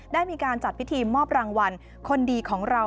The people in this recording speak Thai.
ได้มีการจัดพิธีมอบรางวัลคนดีของเรา